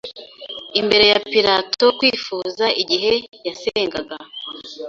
imbere ya Pilato kwifuza igihe yasengaga